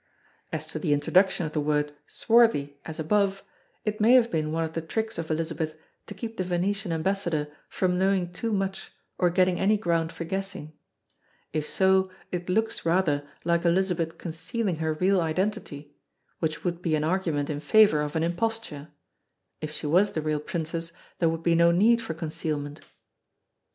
As to the introduction of the word "swarthy" as above; it may have been one of the tricks of Elizabeth to keep the Venetian ambassador from knowing too much or getting any ground for guessing. If so it looks rather like Elizabeth concealing her real identity which would be an argument in favour of an imposture; if she was the real princess there would be no need for concealment.